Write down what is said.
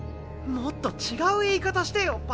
もっと違う言い方してよ